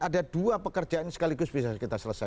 ada dua pekerjaan yang sekaligus bisa kita selesaikan